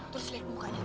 terus liat mukanya tuh